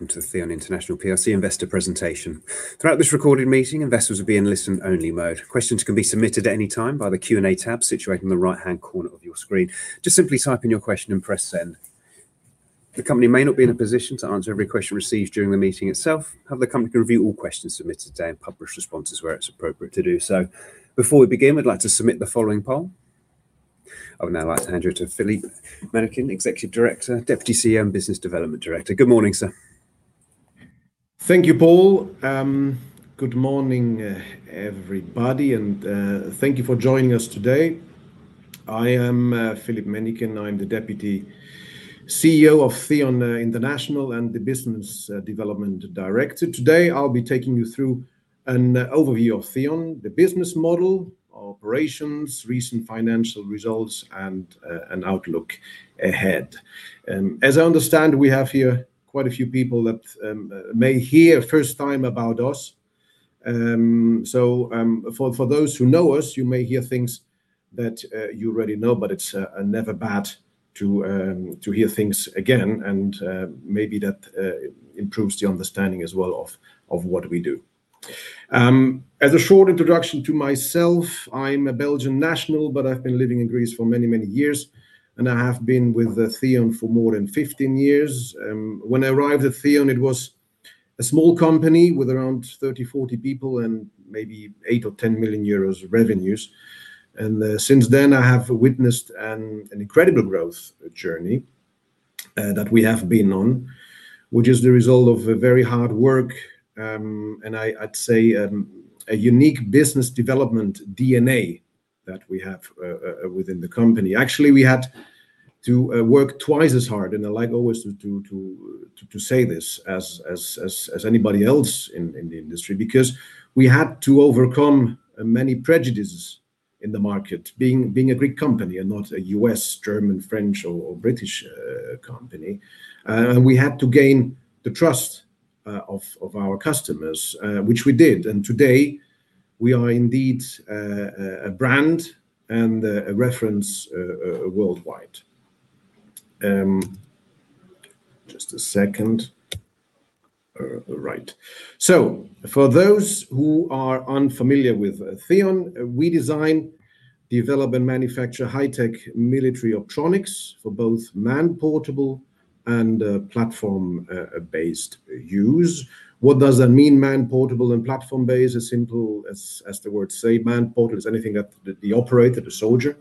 Welcome to the Theon International PLC Investor Presentation. Throughout this recorded meeting, investors will be in listen only mode. Questions can be submitted at any time by the Q&A tab situated in the right-hand corner of your screen. Simply type in your question and press send. The company may not be in a position to answer every question received during the meeting itself, however, the company can review all questions submitted today and publish responses where it's appropriate to do so. Before we begin, we'd like to submit the following poll. I would now like to hand you to Philippe Mennicken, Executive Director, Deputy CEO, and Business Development Director. Good morning, sir. Thank you, Paul. Good morning, everybody, and thank you for joining us today. I am Philippe Mennicken. I'm the Deputy CEO of Theon International and the Business Development Director. Today, I'll be taking you through an overview of Theon, the business model, our operations, recent financial results, and an outlook ahead. As I understand, we have here quite a few people that may hear first time about us. For those who know us, you may hear things that you already know, but it's never bad to hear things again and maybe that improves the understanding as well of what we do. As a short introduction to myself, I'm a Belgian national. I've been living in Greece for many, many years. I have been with Theon for more than 15 years. When I arrived at Theon, it was a small company with around 30, 40 people and maybe 8 million or 10 million euros of revenues. Since then, I have witnessed an incredible growth journey that we have been on, which is the result of very hard work, and I'd say a unique business development DNA that we have within the company. Actually, we had to work twice as hard, and I like always to say this, as anybody else in the industry, because we had to overcome many prejudices in the market, being a Greek company and not a U.S., German, French or British company. We had to gain the trust of our customers, which we did, and today we are indeed a brand and a reference worldwide. Just a second. Right. For those who are unfamiliar with Theon, we design, develop, and manufacture high-tech military optronics for both man-portable and platform based use. What does that mean, man-portable and platform based? As simple as the words say, man-portable is anything that the operator, the soldier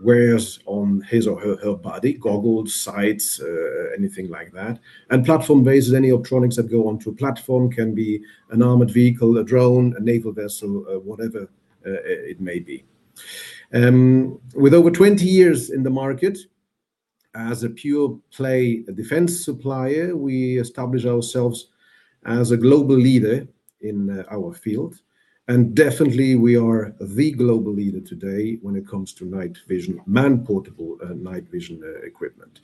wears on his or her body, goggles, sights, anything like that. Platform based is any optronics that go onto a platform, can be an armored vehicle, a drone, a naval vessel, whatever it may be. With over 20 years in the market as a pure play defense supplier, we established ourselves as a global leader in our field, and definitely we are the global leader today when it comes to night vision, man-portable night vision equipment.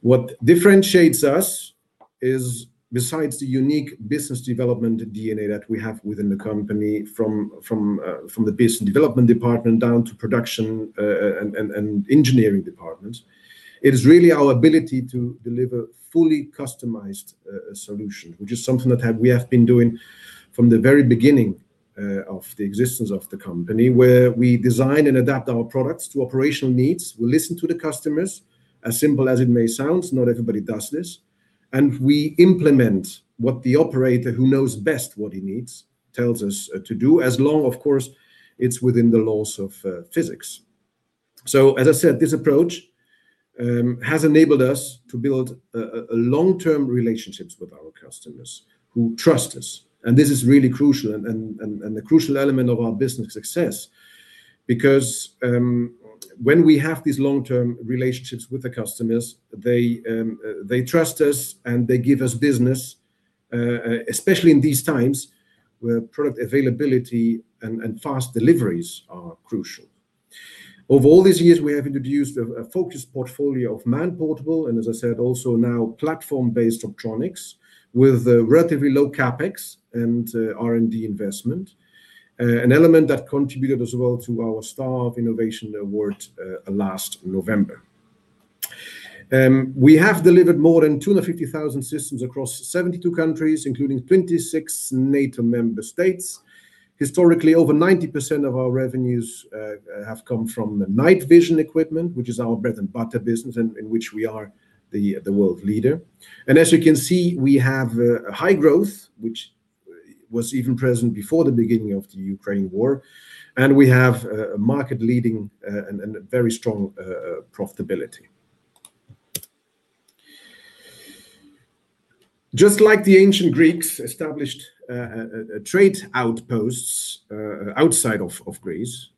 What differentiates us is, besides the unique business development DNA that we have within the company from the business development department down to production and engineering departments, it is really our ability to deliver fully customized solution, which is something that we have been doing from the very beginning of the existence of the company, where we design and adapt our products to operational needs. We listen to the customers. As simple as it may sound, not everybody does this. We implement what the operator, who knows best what he needs, tells us to do, as long, of course, it's within the laws of physics. As I said, this approach has enabled us to build long-term relationships with our customers who trust us. This is really crucial and a crucial element of our business success because when we have these long-term relationships with the customers, they trust us, and they give us business, especially in these times where product availability and fast deliveries are crucial. Over all these years, we have introduced a focused portfolio of man-portable and, as I said, also now platform-based optronics with a relatively low CapEx and R&D investment, an element that contributed as well to our Star of Innovation Award last November. We have delivered more than 250,000 systems across 72 countries, including 26 NATO member states. Historically, over 90% of our revenues have come from the night vision equipment, which is our bread and butter business and in which we are the world leader. As you can see, we have high growth, which was even present before the beginning of the Ukraine war. We have a market-leading and very strong profitability. Just like the ancient Greeks established trade outposts outside of Greece,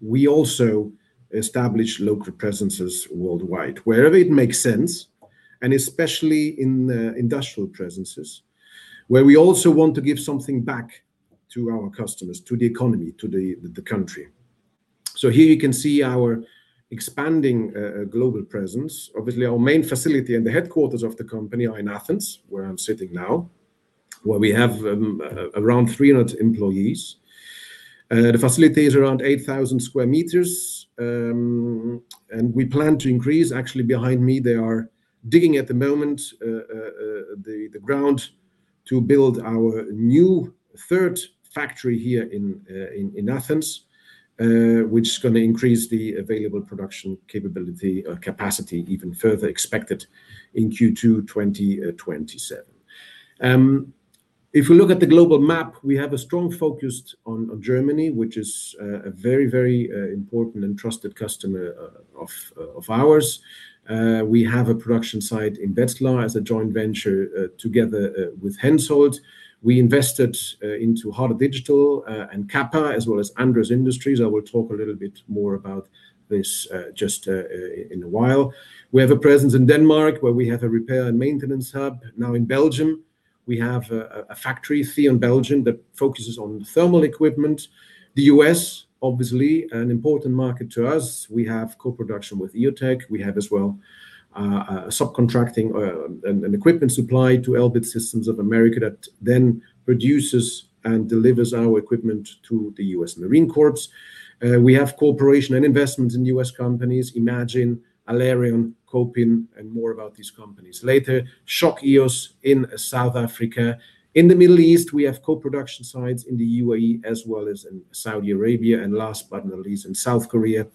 we also established local presences worldwide wherever it makes sense, and especially in industrial presences, where we also want to give something back to our customers, to the economy, to the country. Here you can see our expanding global presence. Obviously, our main facility and the headquarters of the company are in Athens, where I'm sitting now. Where we have around 300 employees. The facility is around 8,000 sq m, and we plan to increase. Actually, behind me, they are digging at the moment, the ground to build our new third factory here in Athens, which is gonna increase the available production capability, capacity even further, expected in Q2 2027. If we look at the global map, we have a strong focus on Germany, which is a very, very important and trusted customer of ours. We have a production site in Wetzlar as a joint venture together with Hensoldt. We invested into Harder Digital and Kappa, as well as Andres Industries. I will talk a little bit more about this just in a while. We have a presence in Denmark, where we have a repair and maintenance hub. Now in Belgium, we have a factory, Theon Belgium, that focuses on thermal equipment. The U.S., obviously an important market to us. We have co-production with EOTECH. We have as well subcontracting and equipment supply to Elbit Systems of America, that then produces and delivers our equipment to the U.S. Marine Corps. We have cooperation and investments in U.S. companies, eMagin, ALEREON, Kopin, and more about these companies later. ShockEOS in South Africa. In the Middle East, we have co-production sites in the UAE as well as in Saudi Arabia. Last but not least, in South Korea,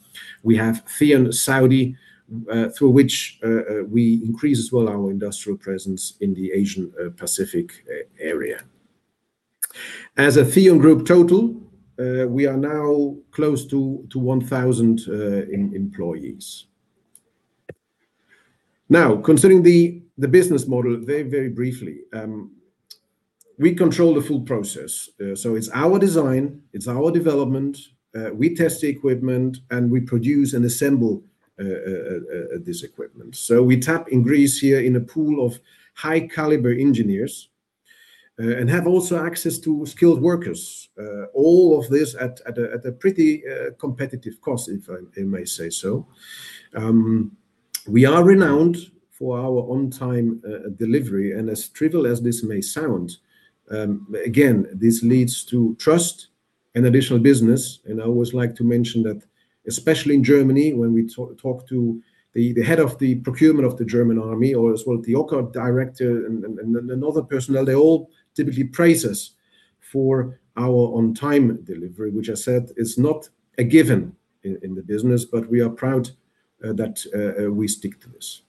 we have THEON KOREA, through which we increase as well our industrial presence in the Asia-Pacific area. As a Theon Group total, we are now close to 1,000 employees. Concerning the business model very, very briefly. We control the full process. It's our design, it's our development, we test the equipment, and we produce and assemble this equipment. We tap in Greece here in a pool of high caliber engineers, and have also access to skilled workers. All of this at a pretty competitive cost, if I may say so. We are renowned for our on-time delivery, and as trivial as this may sound, again, this leads to trust and additional business. I always like to mention that, especially in Germany, when we talk to the head of the procurement of the German Army, or as well the OCCAR Director and other personnel, they all typically praise us for our on-time delivery, which I said is not a given in the business, but we are proud that we stick to this.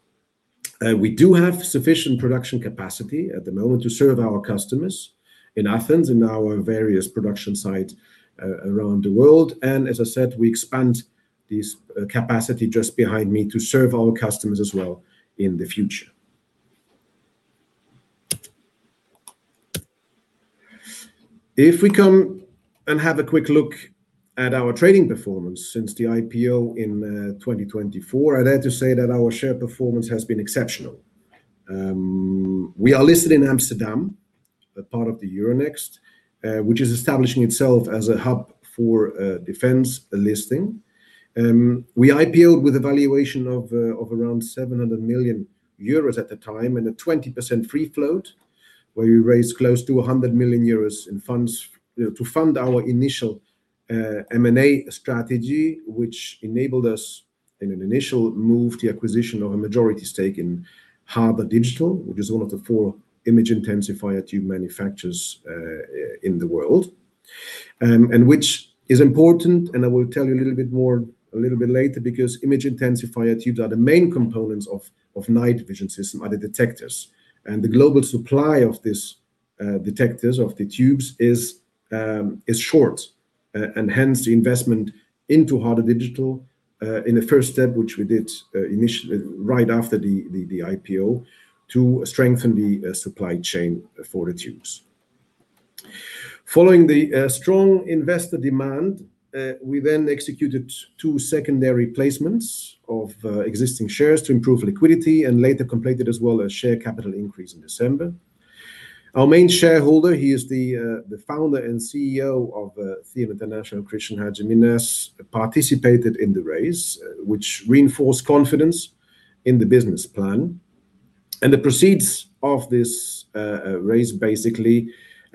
We do have sufficient production capacity at the moment to serve our customers in Athens and our various production sites around the world. As I said, we expand this capacity just behind me to serve our customers as well in the future. If we come and have a quick look at our trading performance since the IPO in 2024, I'd have to say that our share performance has been exceptional. We are listed in Amsterdam, a part of the Euronext, which is establishing itself as a hub for defense listing. We IPO'd with a valuation of around 700 million euros at the time and a 20% free float, where we raised close to 100 million euros in funds, you know, to fund our initial M&A strategy, which enabled us, in an initial move, the acquisition of a majority stake in Harder Digital, which is one of the four image intensifier tube manufacturers in the world. Which is important, and I will tell you a little bit more a little bit later, because image intensifier tubes are the main components of night vision system, are the detectors. The global supply of these detectors, of the tubes is short. Hence the investment into Harder Digital in the first step, which we did initially right after the IPO, to strengthen the supply chain for the tubes. Following the strong investor demand, we executed two secondary placements of existing shares to improve liquidity and later completed as well a share capital increase in December. Our main shareholder, the Founder and CEO of Theon International, Christian Hadjiminas, participated in the raise, which reinforced confidence in the business plan. The proceeds of this raise basically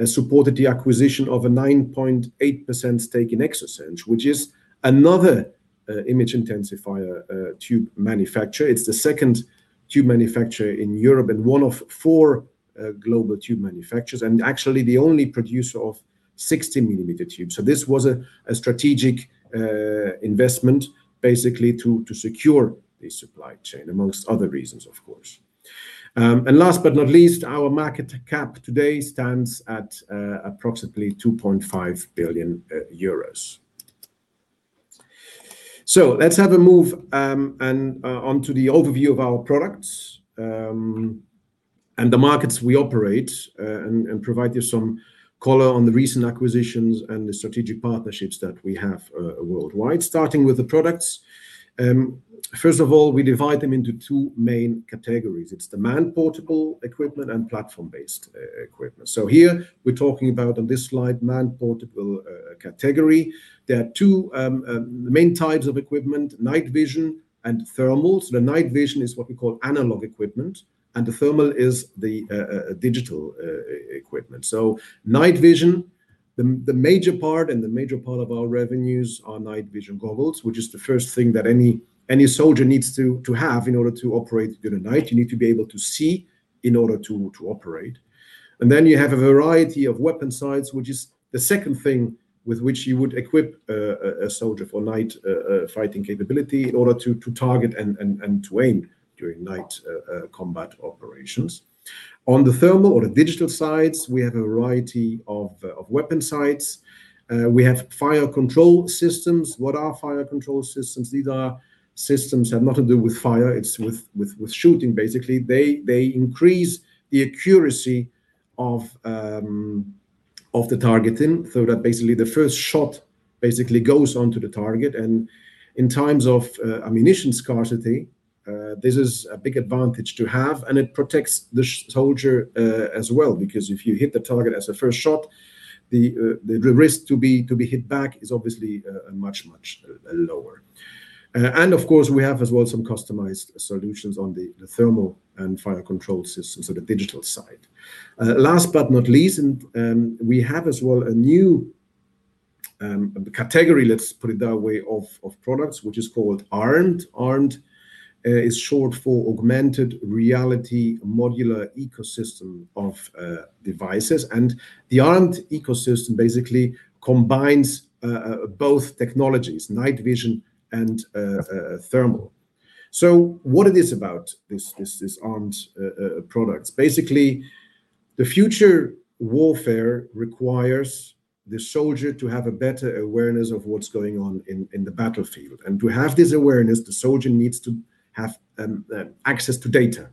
supported the acquisition of a 9.8% stake in Exosens, which is another image intensifier tube manufacturer. It's the second tube manufacturer in Europe and one of four global tube manufacturers, and actually the only producer of 60 millimeter tubes. This was a strategic investment basically to secure the supply chain, amongst other reasons, of course. And last but not least, our market cap today stands at approximately 2.5 billion euros. Let's have a move and onto the overview of our products and the markets we operate and provide you some color on the recent acquisitions and the strategic partnerships that we have worldwide. Starting with the products, first of all, we divide them into two main categories. It's the man-portable equipment and platform-based e-equipment. Here we're talking about on this slide, man-portable category. There are two main types of equipment, night vision and thermal. The night vision is what we call analog equipment, and the thermal is the digital equipment. Night vision, the major part of our revenues are night vision goggles, which is the first thing that any soldier needs to have in order to operate during the night. You need to be able to see in order to operate. You have a variety of weapon sights, which is the second thing with which you would equip a soldier for night fighting capability in order to target and to aim during night combat operations. On the thermal or the digital sights, we have a variety of weapon sights. We have fire control systems. What are fire control systems? These are systems have nothing to do with fire, it's with shooting basically. They increase the accuracy of the targeting so that basically the first shot basically goes onto the target. In times of ammunition scarcity, this is a big advantage to have, and it protects the soldier as well because if you hit the target as a first shot, the risk to be hit back is obviously much, much lower. Of course we have as well some customized solutions on the thermal and fire control systems, so the digital side. Last but not least, we have as well a new category, let's put it that way, of products which is called ARMED. ARMED is short for Augmented Reality Modular Ecosystem of Devices. The ARMED ecosystem basically combines both technologies, night vision and thermal. What it is about this ARMED products? Basically the future warfare requires the soldier to have a better awareness of what's going on in the battlefield. To have this awareness, the soldier needs to have access to data.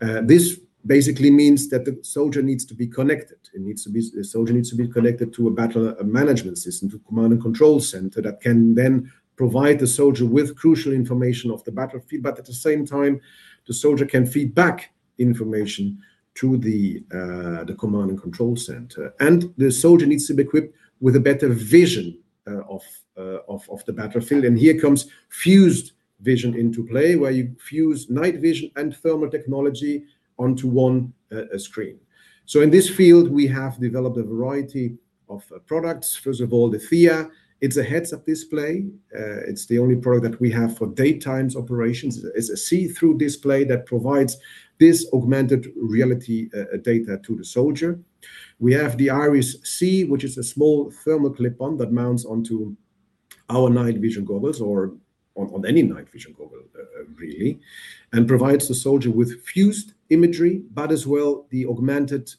This basically means that the soldier needs to be connected. The soldier needs to be connected to a Battle Management System, to command and control center that can then provide the soldier with crucial information of the battlefield, but at the same time the soldier can feed back information to the command and control center. The soldier needs to be equipped with a better vision of the battlefield. Here comes fused vision into play where you fuse night vision and thermal technology onto one screen. In this field we have developed a variety of products. First of all the THEA, it's a heads-up display. It's the only product that we have for daytimes operations. It's a see-through display that provides this augmented reality data to the soldier. We have the IRIS-C which is a small thermal clip-on that mounts onto our night vision goggles or on any night vision goggle really, and provides the soldier with fused imagery but as well the augmented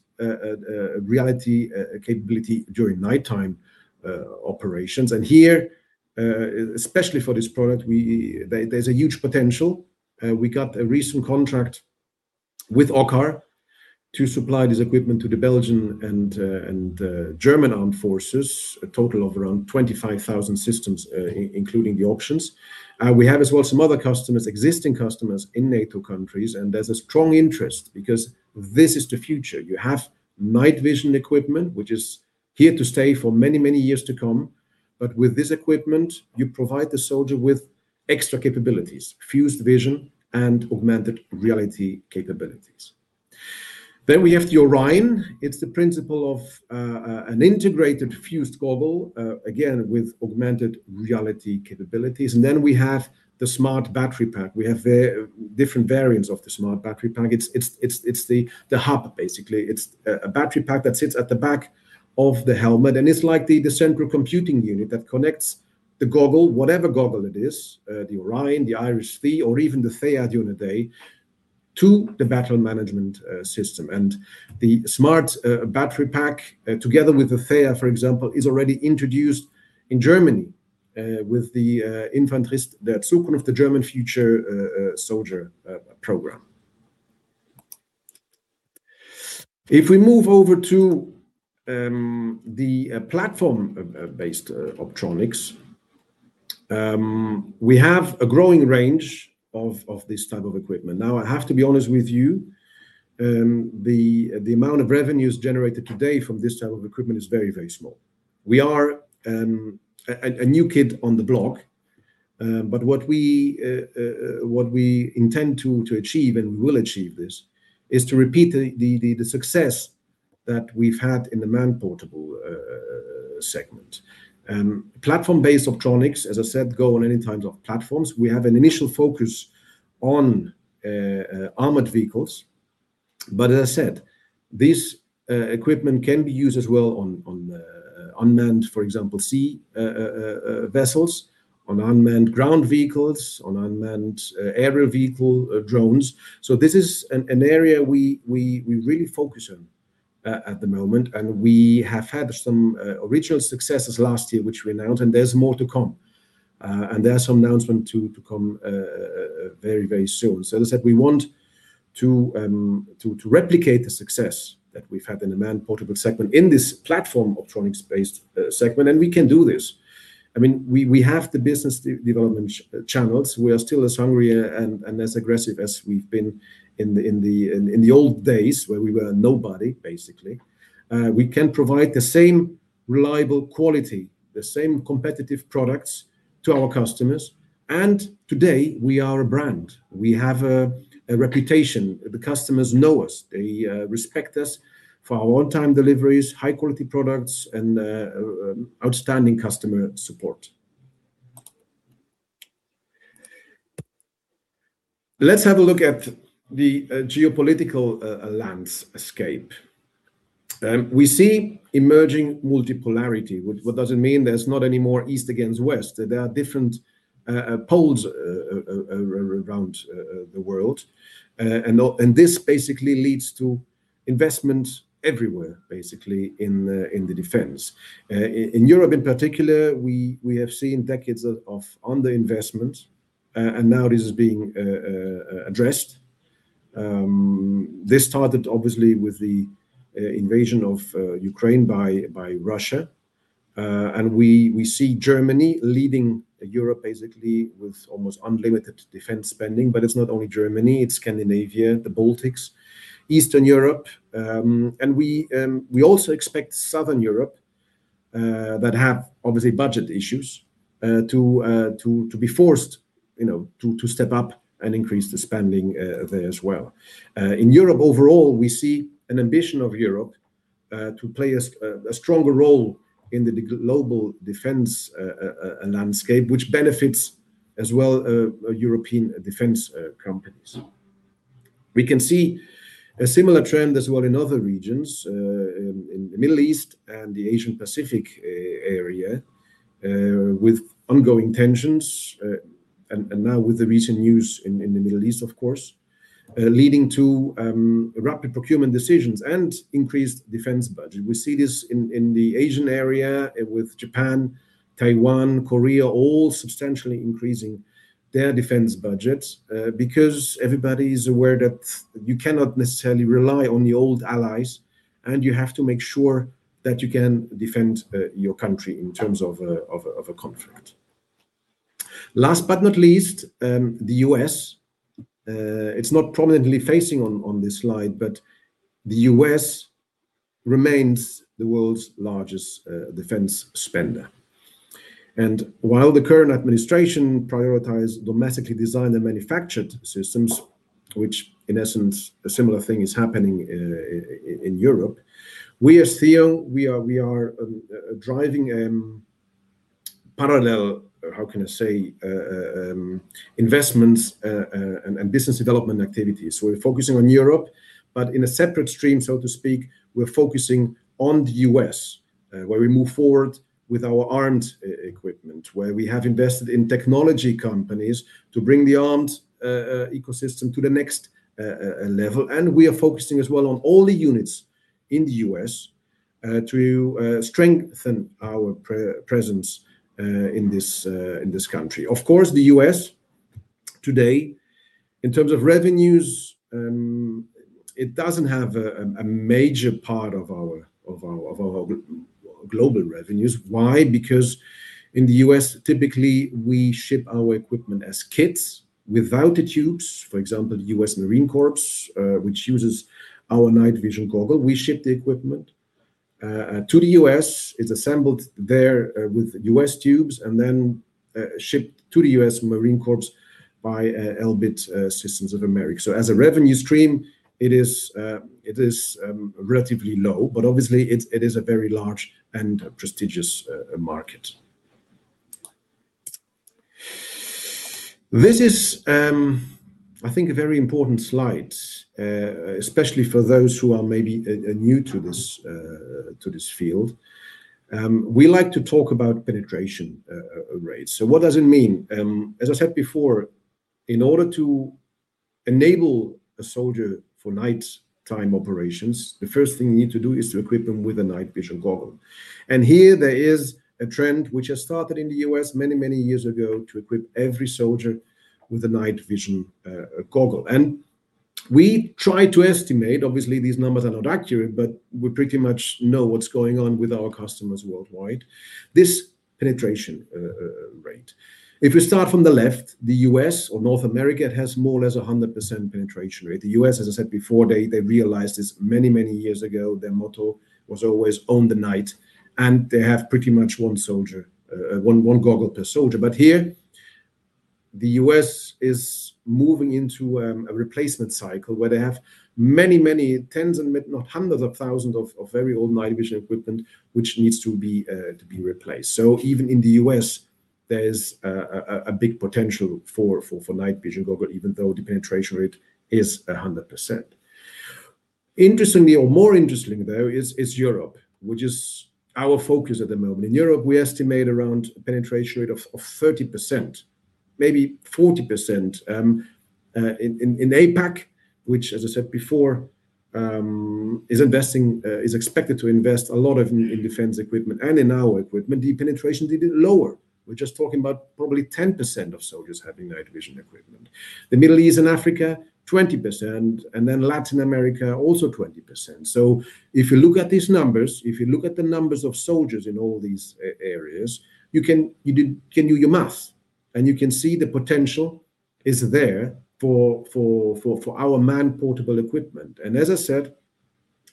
reality capability during nighttime operations. Here, especially for this product, there's a huge potential. We got a recent contract with OCCAR to supply this equipment to the Belgian and German Armed Forces, a total of around 25,000 systems, including the options. We have as well some other customers, existing customers in NATO countries and there's a strong interest because this is the future. You have night vision equipment which is here to stay for many, many years to come. With this equipment you provide the soldier with extra capabilities, fused vision and augmented reality capabilities. We have the ORION. It's the principle of an integrated fused goggle, again with augmented reality capabilities. We have the Smart Battery Pack. We have different variants of the Smart Battery Pack. It's the hub basically. It's a Smart Battery Pack that sits at the back of the helmet and it's like the central computing unit that connects the goggle, whatever goggle it is, the ORION, the IRIS-T or even the THEA during the day, to the Battle Management System. The Smart Battery Pack together with the THEA for example is already introduced in Germany with the Infanterist der Zukunft, the German future soldier program. If we move over to the platform based optronics, we have a growing range of this type of equipment. I have to be honest with you, the amount of revenues generated today from this type of equipment is very, very small. We are a new kid on the block. What we intend to achieve and we will achieve this, is to repeat the success that we've had in the man-portable segment. Platform-based optronics, as I said, go on any types of platforms. We have an initial focus on armored vehicles but as I said, this equipment can be used as well on unmanned for example sea vessels, on unmanned ground vehicles, on unmanned aerial vehicle drones. This is an area we really focus on at the moment and we have had some original successes last year which we announced and there's more to come. There are some announcement to come very soon. As I said, we want to replicate the success that we've had in the man-portable segment in this platform optronics-based segment and we can do this. I mean we have the business development channels. We are still as hungry and as aggressive as we've been in the old days where we were nobody basically. We can provide the same reliable quality, the same competitive products to our customers, and today we are a brand. We have a reputation. The customers know us. They respect us for our on-time deliveries, high-quality products and outstanding customer support. Let's have a look at the geopolitical landscape. We see emerging multipolarity. What does it mean? There's not any more East against West. There are different poles around the world, and this basically leads to investment everywhere, basically in the defense. In Europe in particular, we have seen decades of underinvestment, and now this is being addressed. This started obviously with the invasion of Ukraine by Russia. We see Germany leading Europe basically with almost unlimited defense spending, but it's not only Germany, it's Scandinavia, the Baltics, Eastern Europe. We also expect Southern Europe, that have obviously budget issues, to be forced, you know, to step up and increase the spending there as well. In Europe overall, we see an ambition of Europe to play a stronger role in the global defense landscape, which benefits as well European defense companies. We can see a similar trend as well in other regions in the Middle East and the Asia-Pacific area with ongoing tensions, and now with the recent news in the Middle East, of course, leading to rapid procurement decisions and increased defense budget. We see this in the Asian area with Japan, Taiwan, Korea, all substantially increasing their defense budgets because everybody's aware that you cannot necessarily rely on the old allies, and you have to make sure that you can defend your country in terms of a conflict. Last but not least, the U.S.. It's not prominently facing on this slide, but the U.S. remains the world's largest defense spender. While the current administration prioritize domestically designed and manufactured systems, which in essence a similar thing is happening in Europe, we as Theon are driving parallel, how can I say, investments and business development activities. We're focusing on Europe, but in a separate stream, so to speak, we're focusing on the U.S. where we move forward with our ARMED equipment, where we have invested in technology companies to bring the ARMED ecosystem to the next level. We are focusing as well on all the units in the U.S. to strengthen our presence in this country. Of course, the U.S. today in terms of revenues, it doesn't have a major part of our global revenues. Why? Because in the U.S., typically we ship our equipment as kits without the tubes. For example, the U.S. Marine Corps, which uses our night vision goggle, we ship the equipment to the U.S. It's assembled there, with U.S. tubes and then, shipped to the U.S. Marine Corps by Elbit Systems of America. As a revenue stream, it is relatively low, but obviously it's, it is a very large and prestigious market. This is, I think a very important slide, especially for those who are maybe, new to this field. We like to talk about penetration rates. What does it mean? As I said before, in order to enable a soldier for nighttime operations, the first thing you need to do is to equip them with a night vision goggle. Here there is a trend which has started in the U.S. many, many years ago to equip every soldier with a night vision goggle. We try to estimate, obviously these numbers are not accurate, but we pretty much know what's going on with our customers worldwide. This penetration rate, if we start from the left, the U.S. or North America has more or less a 100% penetration rate. The U.S., as I said before, they realized this many, many years ago. Their motto was always own the night, and they have pretty much one soldier, one goggle per soldier. Here the U.S. is moving into a replacement cycle where they have many, many tens and hundreds of thousands of very old night vision equipment, which needs to be replaced. Even in the U.S. there's a big potential for night vision goggle, even though the penetration rate is 100%. Interestingly or more interesting though is Europe, which is our focus at the moment. In Europe, we estimate around a penetration rate of 30%, maybe 40% in APAC, which as I said before, is investing, is expected to invest a lot of in defense equipment and in our equipment. The penetration is even lower. We're just talking about probably 10% of soldiers having night vision equipment. The Middle East and Africa, 20%, and then Latin America, also 20%. If you look at these numbers, if you look at the numbers of soldiers in all these areas, you can do your math and you can see the potential is there for our man-portable equipment. As I said,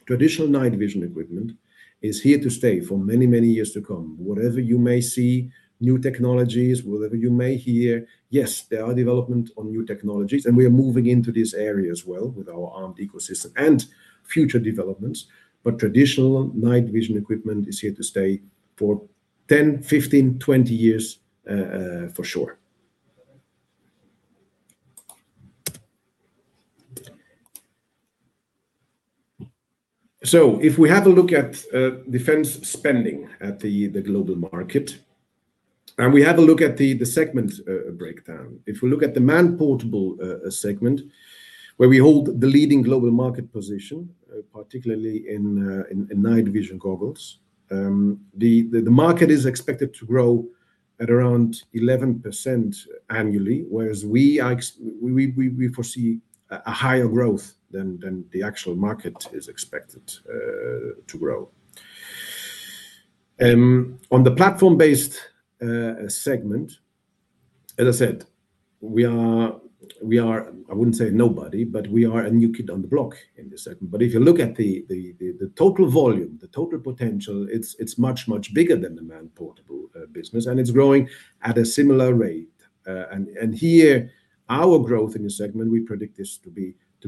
traditional night vision equipment is here to stay for many, many years to come. Whatever you may see, new technologies, whatever you may hear, yes, there are development on new technologies, and we are moving into this area as well with our armed ecosystem and future developments. Traditional night vision equipment is here to stay for 10, 15, 20 years for sure. If we have a look at defense spending at the global market, and we have a look at the segment breakdown, if we look at the man-portable segment, where we hold the leading global market position, particularly in night vision goggles, the market is expected to grow at around 11% annually, whereas we foresee a higher growth than the actual market is expected to grow. On the platform-based segment, as I said, we are, I wouldn't say nobody, but we are a new kid on the block in this segment. If you look at the total volume, the total potential, it's much, much bigger than the man-portable business, and it's growing at a similar rate. Here, our growth in this segment, we predict this to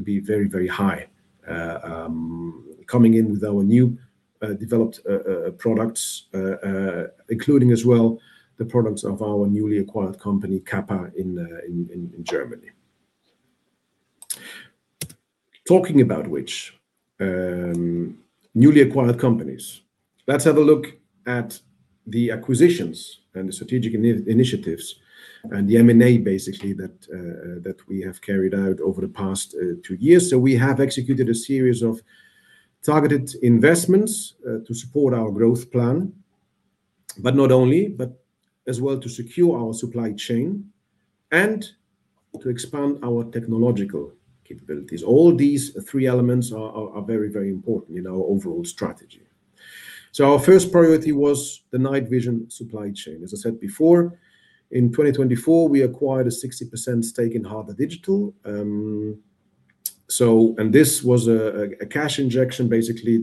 be very, very high, coming in with our new developed products, including as well the products of our newly acquired company, Kappa, in Germany. Talking about which, newly acquired companies, let's have a look at the acquisitions and the strategic initiatives and the M&A basically that we have carried out over the past two years. We have executed a series of targeted investments to support our growth plan, but not only, but as well to secure our supply chain and to expand our technological capabilities. All these three elements are very, very important in our overall strategy. Our first priority was the night vision supply chain. As I said before, in 2024, we acquired a 60% stake in Harder Digital. This was a cash injection basically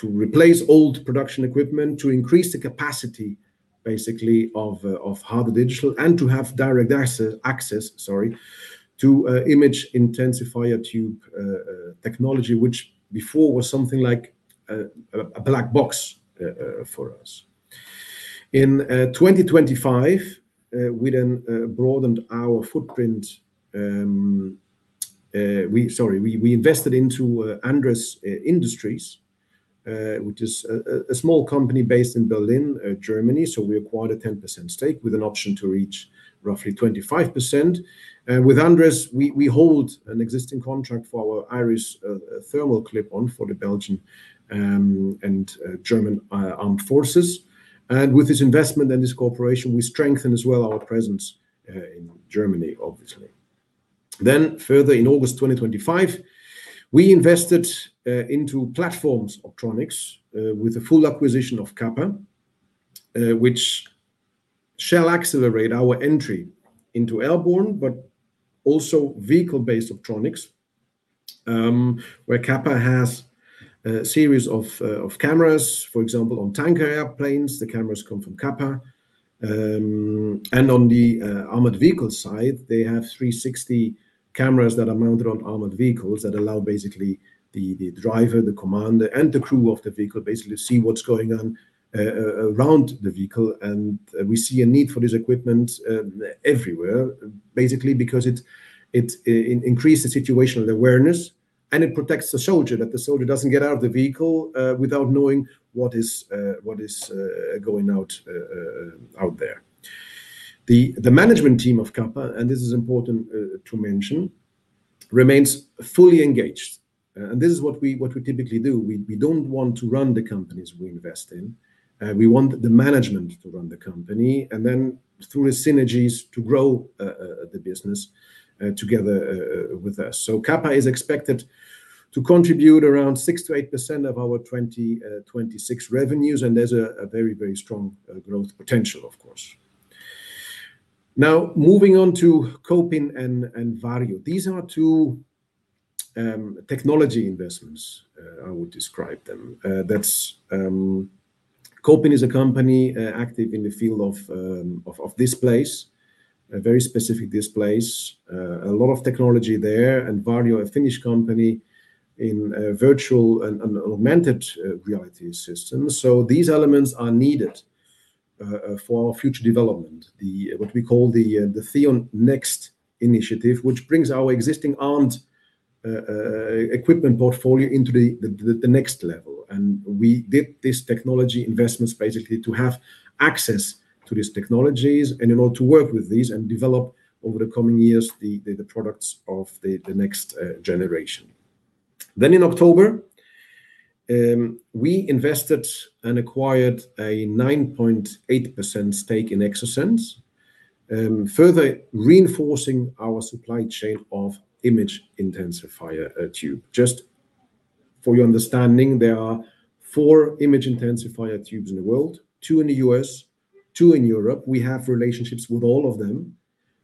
to replace old production equipment, to increase the capacity basically of Harder Digital, and to have direct access, sorry, to image intensifier tube technology, which before was something like a black box for us. In 2025, we broadened our footprint. Sorry. We invested into Andres Industries, which is a small company based in Berlin, Germany. We acquired a 10% stake with an option to reach roughly 25%. With Andres, we hold an existing contract for our IRIS-C thermal clip-on for the Belgian and German armed forces. With this investment and this cooperation, we strengthen as well our presence in Germany, obviously. Further in August 2025, we invested into platforms optronics with the full acquisition of Kappa, which shall accelerate our entry into airborne, but also vehicle-based optronics, where Kappa has a series of cameras. For example, on tanker airplanes, the cameras come from Kappa. On the armored vehicle side, they have 360 cameras that are mounted on armored vehicles that allow basically the driver, the commander, and the crew of the vehicle basically to see what's going on around the vehicle. We see a need for this equipment everywhere, basically because it increase the situational awareness, and it protects the soldier, that the soldier doesn't get out of the vehicle without knowing what is going out out there. The management team of Kappa, and this is important to mention, remains fully engaged. This is what we typically do. We don't want to run the companies we invest in. We want the management to run the company and then through the synergies to grow the business together with us. Kappa is expected to contribute around 6%-8% of our 2026 revenues, and there's a very, very strong growth potential, of course. Moving on to Kopin and Varjo. These are two technology investments, I would describe them. That's Kopin is a company active in the field of displays, a very specific displays, a lot of technology there, and Varjo, a Finnish company in virtual and augmented reality systems. These elements are needed for our future development, what we call the Theon Next initiative, which brings our existing armed equipment portfolio into the next level. We did these technology investments basically to have access to these technologies and in order to work with these and develop over the coming years the products of the next generation. In October, we invested and acquired a 9.8% stake in Exosens, further reinforcing our supply chain of image intensifier tube. For your understanding, there are four image intensifier tubes in the world, two in the U.S., two in Europe. We have relationships with all of them.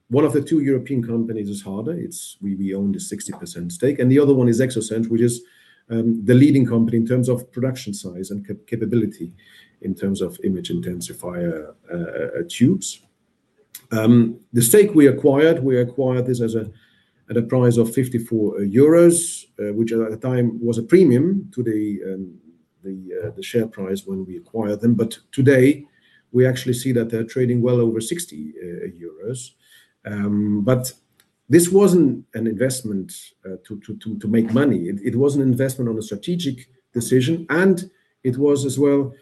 One of the two European companies is Harder Digital. We own the 60% stake, and the other one is Exosens, which is the leading company in terms of production size and capability in terms of image intensifier tubes. The stake we acquired, we acquired this at a price of 54 euros, which at the time was a premium to the share price when we acquired them. Today, we actually see that they're trading well over 60 euros. This wasn't an investment to make money. It was an investment on a strategic decision, and it was as well,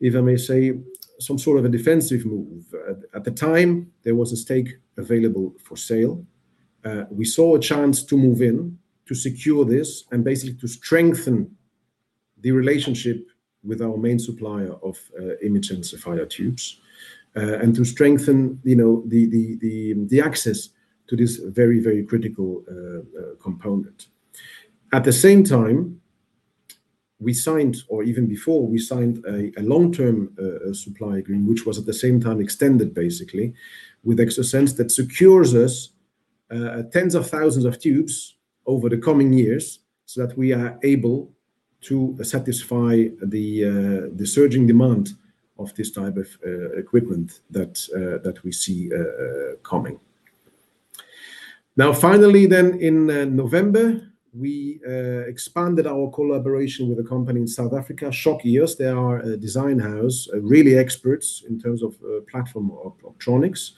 if I may say, some sort of a defensive move. At the time, there was a stake available for sale. We saw a chance to move in to secure this and basically to strengthen the relationship with our main supplier of image intensifier tubes, and to strengthen, you know, the access to this very critical component. At the same time, we signed, or even before, we signed a long-term supply agreement, which was at the same time extended basically with Exosens that secures us tens of thousands of tubes over the coming years, so that we are able to satisfy the surging demand of this type of equipment that we see coming. Finally then, in November, we expanded our collaboration with a company in South Africa, ShockEOS. They are a design house, really experts in terms of platform optronics.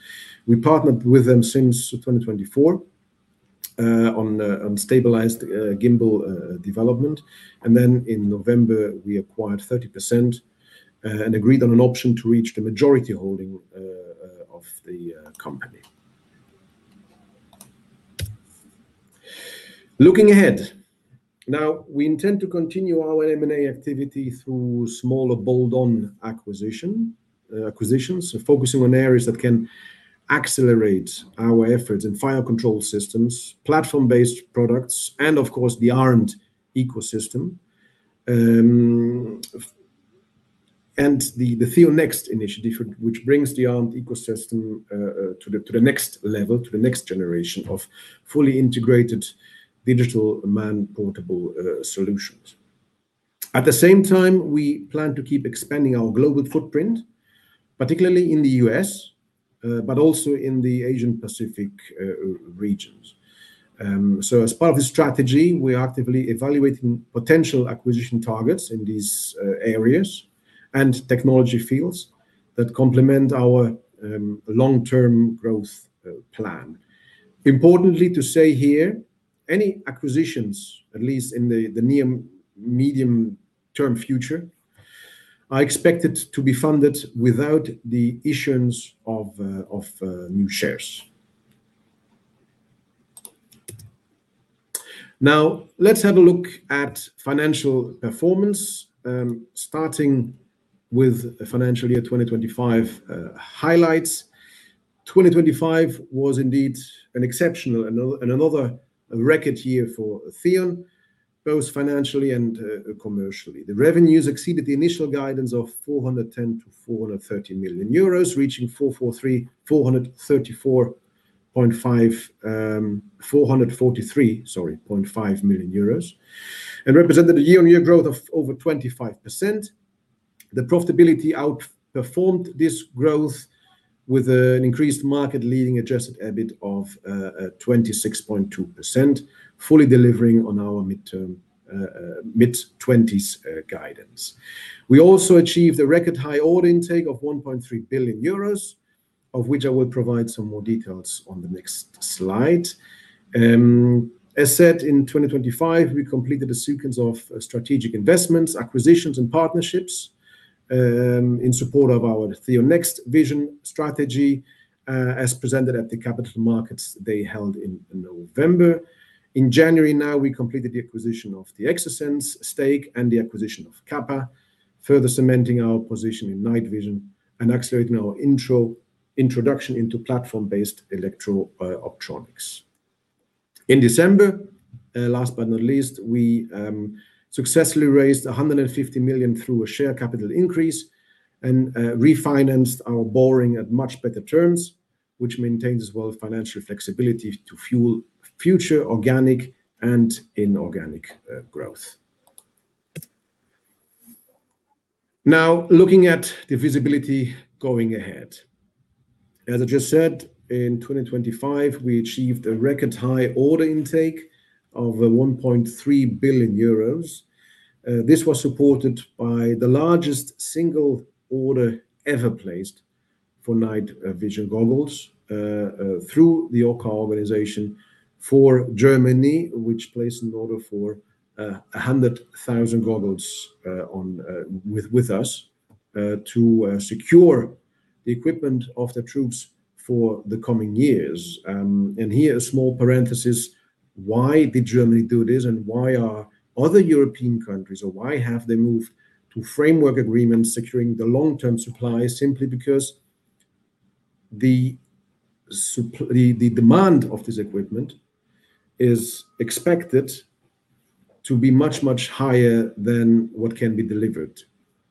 We partnered with them since 2024 on stabilized gimbal development. In November, we acquired 30% and agreed on an option to reach the majority holding of the company. Looking ahead. Now, we intend to continue our M&A activity through smaller bolt-on acquisitions, focusing on areas that can accelerate our efforts in fire control systems, platform-based products, and of course, the ARMED ecosystem. The Theon Next initiative, which brings the ARMED ecosystem to the next level, to the next generation of fully integrated digital man-portable solutions. At the same time, we plan to keep expanding our global footprint, particularly in the U.S., but also in the Asia-Pacific regions. As part of the strategy, we're actively evaluating potential acquisition targets in these areas and technology fields that complement our long-term growth plan. Importantly to say here, any acquisitions, at least in the medium-term future, are expected to be funded without the issuance of new shares. Now, let's have a look at financial performance, starting with financial year 2025 highlights. 2025 was indeed an exceptional and another record year for Theon, both financially and commercially. The revenues exceeded the initial guidance of 410 million-430 million euros, reaching 443.5 million euros, and represented a year-on-year growth of over 25%. The profitability outperformed this growth with an increased market-leading Adjusted EBIT of 26.2%, fully delivering on our midterm mid-20s guidance. We also achieved a record high order intake of 1.3 billion euros, of which I will provide some more details on the next slide. As said, in 2025, we completed a sequence of strategic investments, acquisitions, and partnerships in support of our THEON NEXT Vision strategy, as presented at the Capital Markets Day held in November. In January now, we completed the acquisition of the Exosens stake and the acquisition of Kappa optronics, further cementing our position in night vision and accelerating our introduction into platform-based electro-optronics. In December, last but not least, we successfully raised 150 million through a share capital increase and refinanced our borrowing at much better terms, which maintains as well financial flexibility to fuel future organic and inorganic growth. Looking at the visibility going ahead. As I just said, in 2025, we achieved a record high order intake of 1.3 billion euros. This was supported by the largest single order ever placed for night vision goggles through the OCCAR organization for Germany, which placed an order for 100,000 goggles with us to secure the equipment of the troops for the coming years. Here, a small parenthesis, why did Germany do this? Why are other European countries or why have they moved to framework agreements securing the long-term supply? Simply because the demand of this equipment is expected to be much, much higher than what can be delivered.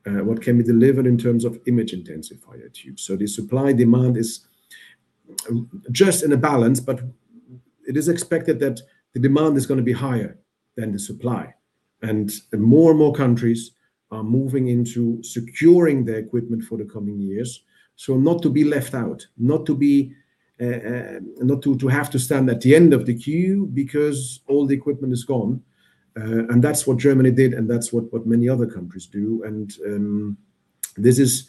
What can be delivered in terms of image intensifier tubes. The supply-demand is just in a balance, but it is expected that the demand is gonna be higher than the supply. And more and more countries are moving into securing the equipment for the coming years, so not to be left out, not to be, not to have to stand at the end of the queue because all the equipment is gone. And that's what Germany did, and that's what many other countries do. And this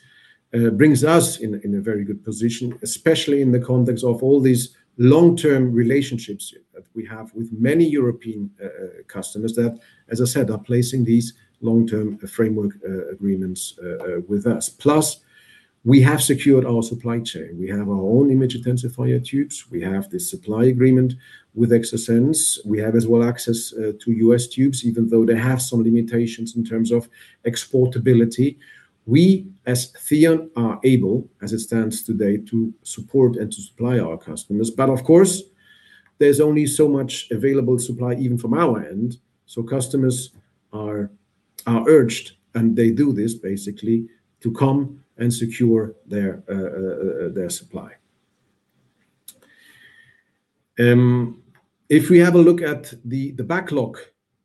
brings us in a very good position, especially in the context of all these long-term relationships that we have with many European customers that, as I said, are placing these long-term framework agreements with us. Plus we have secured our supply chain. We have our own image intensifier tubes. We have the supply agreement with Exosens. We have as well access to U.S. tubes, even though they have some limitations in terms of exportability. We, as Theon, are able, as it stands today, to support and to supply our customers. Of course, there's only so much available supply even from our end, so customers are urged, and they do this basically, to come and secure their supply. If we have a look at the backlog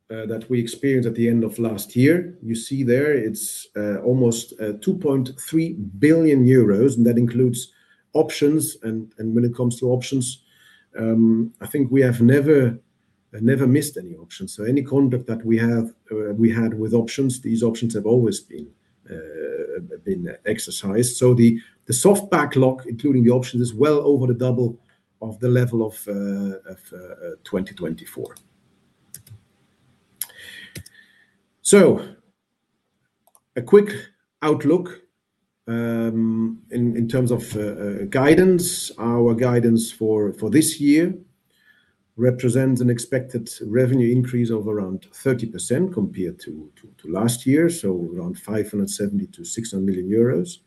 that we experienced at the end of last year, you see there it's almost 2.3 billion euros, and that includes options. When it comes to options, I think we have never missed any options. Any contract that we have, or we had with options, these options have always been exercised. The soft backlog, including the options, is well over the double of the level of 2024. A quick outlook in terms of guidance. Our guidance for this year represents an expected revenue increase of around 30% compared to last year, around 570 million-600 million euros.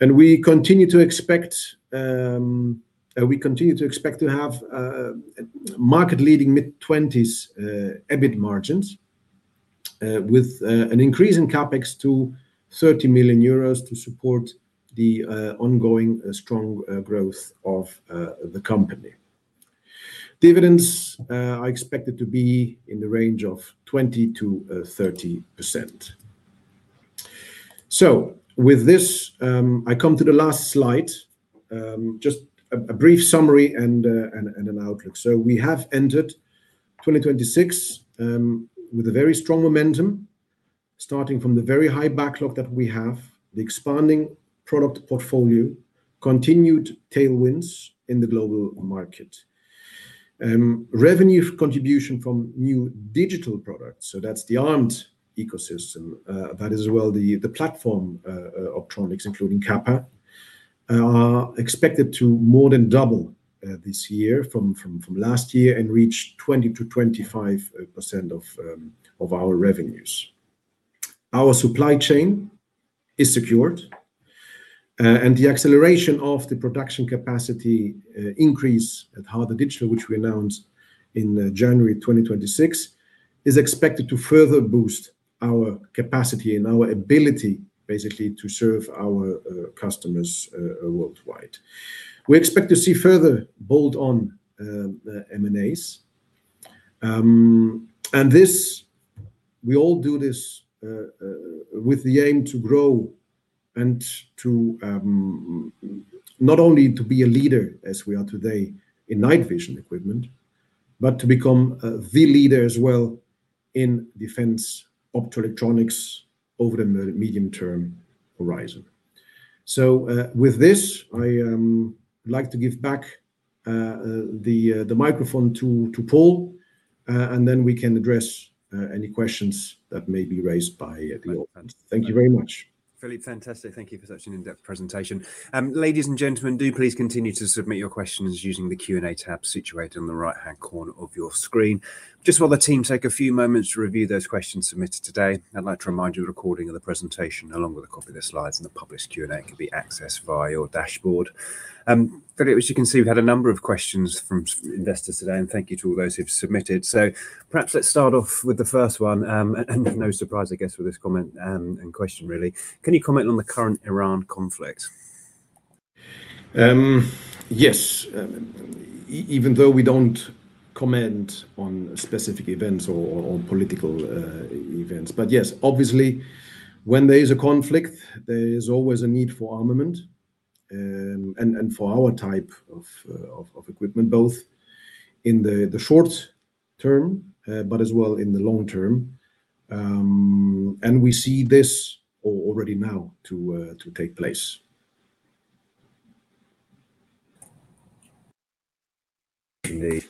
We continue to expect to have market-leading mid-20s EBIT margins with an increase in CapEx to 30 million euros to support the ongoing strong growth of the company. Dividends are expected to be in the range of 20%-30%. With this, I come to the last slide. Just a brief summary and an outlook. We have entered 2026 with a very strong momentum, starting from the very high backlog that we have, the expanding product portfolio, continued tailwinds in the global market. Revenue contribution from new digital products, so that's the ARMED ecosystem. That is well, the platform optronics, including Kappa, are expected to more than double this year from last year and reach 20%-25% of our revenues. Our supply chain is secured, and the acceleration of the production capacity increase at Harder Digital, which we announced in January 2026, is expected to further boost our capacity and our ability basically to serve our customers worldwide. We expect to see further bolt-on M&As. This, we all do this with the aim to grow and to not only to be a leader, as we are today, in night vision equipment, but to become the leader as well in defense optoelectronics over the medium-term horizon. With this, I like to give back the microphone to Paul, we can address any questions that may be raised by the audience. Thank you very much. Philippe, fantastic. Thank you for such an in-depth presentation. Ladies, and gentlemen, do please continue to submit your questions using the Q&A tab situated on the right-hand corner of your screen. Just while the team take a few moments to review those questions submitted today, I'd like to remind you a recording of the presentation along with a copy of the slides and the published Q&A can be accessed via your dashboard. Philippe, as you can see, we've had a number of questions from investors today, thank you to all those who've submitted. Perhaps let's start off with the first one. No surprise, I guess, with this comment, and question really. Can you comment on the current Iran conflict? Yes. Even though we don't comment on specific events or on political events. Yes, obviously when there is a conflict, there is always a need for armament, and for our type of equipment, both in the short term, but as well in the long term. We see this already now to take place. Indeed.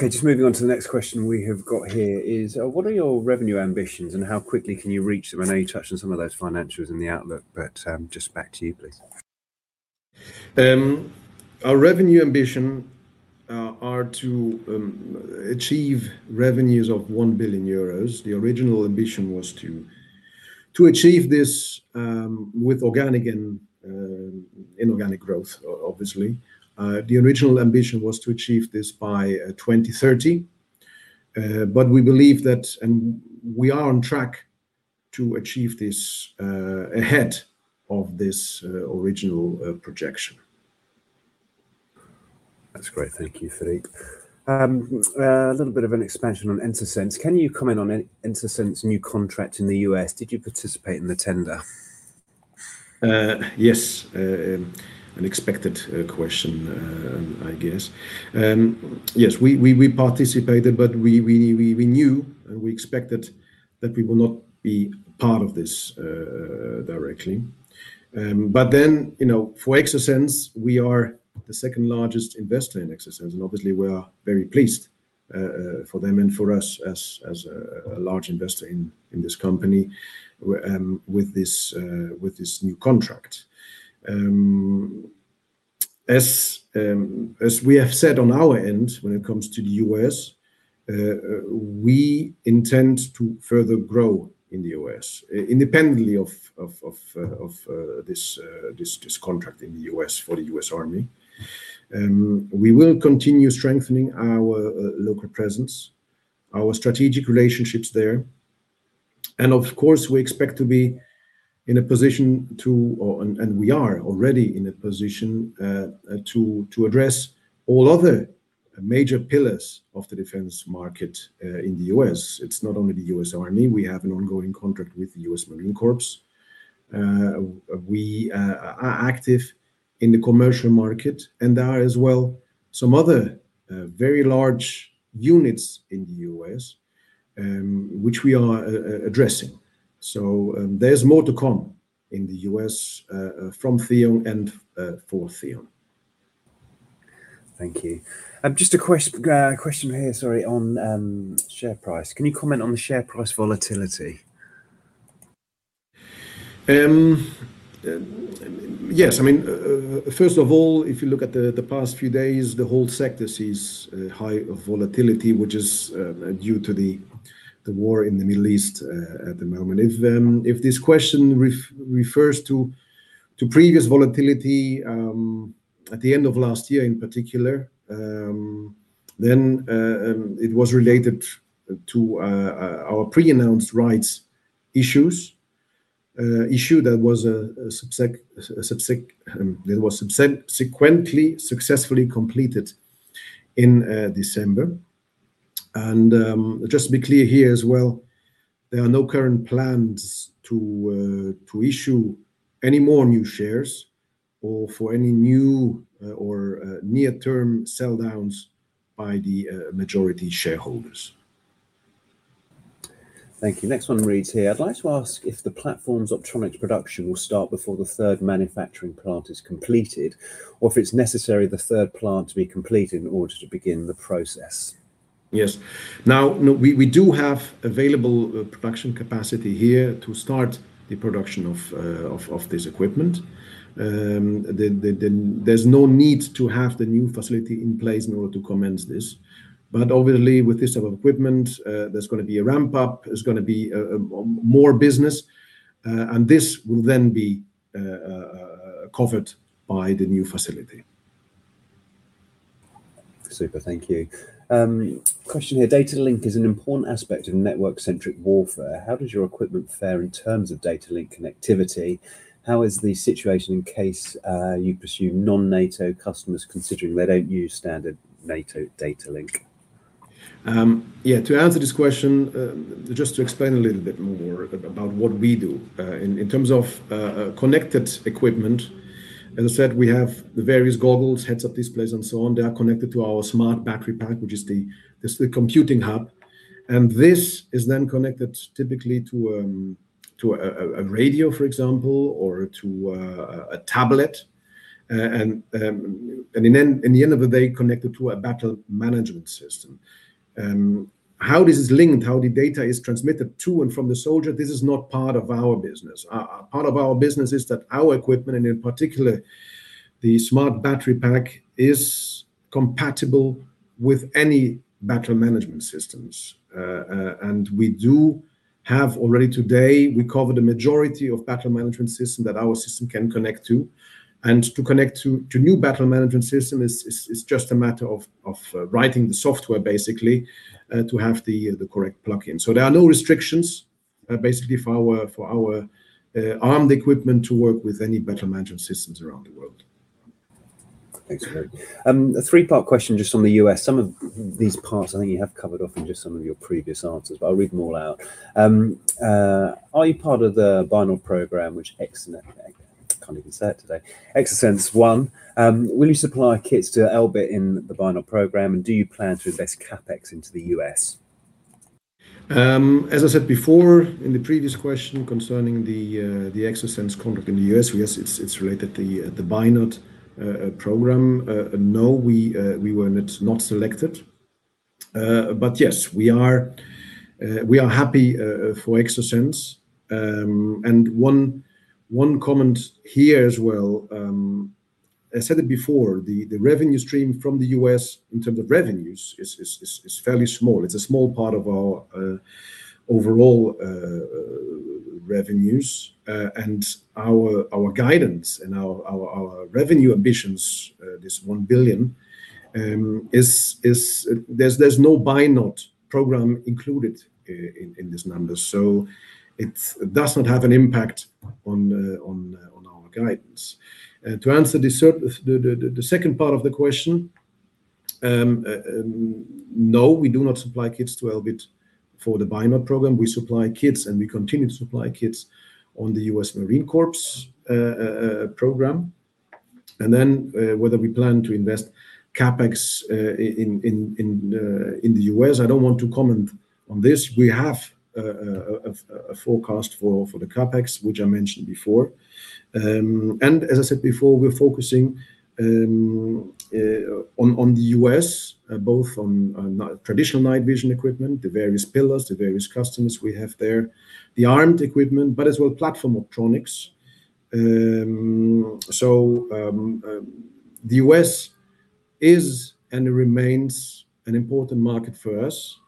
Just moving on to the next question we have got here is, what are your revenue ambitions, and how quickly can you reach them? I know you touched on some of those financials in the outlook, just back to you, please. Our revenue ambition are to achieve revenues of 1 billion euros. The original ambition was to achieve this with organic and inorganic growth obviously. The original ambition was to achieve this by 2030. We believe that and we are on track to achieve this ahead of this original projection. That's great. Thank you, Philippe. a little bit of an expansion on Exosens. Can you comment on Exosens new contract in the U.S.? Did you participate in the tender? Yes. An expected question, I guess. Yes, we participated, but we knew and we expected that we will not be part of this directly. You know, for Exosens, we are the second largest investor in Exosens, and obviously we are very pleased for them and for us as a large investor in this company with this new contract. As we have said on our end, when it comes to the U.S., we intend to further grow in the U.S. independently of this contract in the U.S. for the U.S. Army. We will continue strengthening our local presence, our strategic relationships there, and of course, we expect to be in a position and we are already in a position to address all other major pillars of the defense market in the U.S. It's not only the U.S. Army. We have an ongoing contract with the U.S. Marine Corps. We are active in the commercial market, and there are as well some other very large units in the U.S., which we are addressing. There's more to come in the U.S. from Theon and for Theon. Thank you. Just a question here, sorry, on share price. Can you comment on the share price volatility? Yes. I mean, first of all, if you look at the past few days, the whole sector sees high volatility, which is due to the war in the Middle East at the moment. If this question refers to previous volatility at the end of last year in particular, then it was related to our pre-announced rights issues. Issue that was subsequently successfully completed in December. Just to be clear here as well, there are no current plans to issue any more new shares or for any new or near term sell downs by the majority shareholders. Thank you. Next one reads here: I'd like to ask if the platform's optronics production will start before the third manufacturing plant is completed, or if it's necessary the third plant to be completed in order to begin the process. Yes. Now, no, we do have available production capacity here to start the production of this equipment. There's no need to have the new facility in place in order to commence this. Obviously with this type of equipment, there's gonna be a ramp up, there's gonna be more business, and this will then be covered by the new facility. Super. Thank you. Question here. Data link is an important aspect of network-centric warfare. How does your equipment fare in terms of data link connectivity? How is the situation in case, you pursue non-NATO customers considering they don't use standard NATO data link? Yeah. To answer this question, just to explain a little bit more about what we do. In terms of connected equipment, as I said, we have the various goggles, heads-up displays, and so on. They are connected to our Smart Battery Pack, which is the computing hub. This is then connected typically to a radio, for example, or to a tablet, and in the end of the day, connected to a Battle Management System. How this is linked, how the data is transmitted to and from the soldier, this is not part of our business. Part of our business is that our equipment, and in particular the Smart Battery Pack, is compatible with any Battle Management Systems. We do have already today, we cover the majority of Battle Management System that our system can connect to. To connect to new Battle Management System is just a matter of writing the software basically to have the correct plug-in. There are no restrictions basically for our ARMED equipment to work with any Battle Management Systems around the world. Thanks, Philippe. A three-part question just on the U.S. Some of these parts I think you have covered off in just some of your previous answers, but I'll read them all out. Are you part of the BiNOD program, which Exosens won? Will you supply kits to Elbit in the BiNOD program, and do you plan to invest CapEx into the U.S.? As I said before in the previous question concerning the Exosens contract in the U.S., yes, it's related to the BiNOD program. No, we were not selected. Yes, we are happy for Exosens. And one comment here as well, I said it before, the revenue stream from the U.S. in terms of revenues is fairly small. It's a small part of our overall revenues. And our guidance and our revenue ambitions, this 1 billion, There's no Buy Not program included in this number, so it doesn't have an impact on our guidance. To answer the second part of the question, no, we do not supply kits to Elbit for the BiNOD program. We supply kits, and we continue to supply kits on the U.S. Marine Corps program. Whether we plan to invest CapEx in the U.S., I don't want to comment on this. We have a forecast for the CapEx, which I mentioned before. As I said before, we're focusing on the U.S., both on traditional night vision equipment, the various pillars, the various customers we have there, the armed equipment, but as well platform optronics. The U.S. is and remains an important market for us,